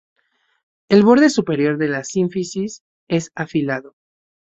El borde superior de la sínfisis es afilado.